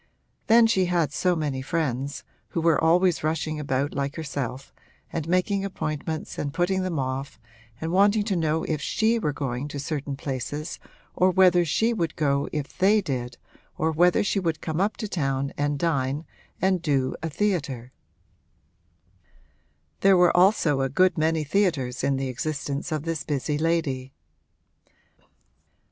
Then she had so many friends, who were always rushing about like herself and making appointments and putting them off and wanting to know if she were going to certain places or whether she would go if they did or whether she would come up to town and dine and 'do a theatre.' There were also a good many theatres in the existence of this busy lady.